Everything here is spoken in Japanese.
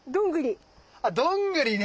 あどんぐりね。